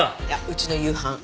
いやうちの夕飯。